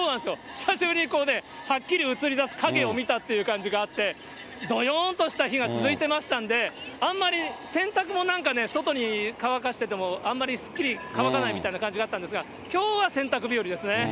久しぶりにこうね、はっきり映り出す影を見たという感じがあって、どよーんとした日が続いてましたんで、あんまり洗濯も、なんかね、外に乾かしてても、あんまりすっきり乾かないみたいな感じがあったんですが、きょうは洗濯日和ですね。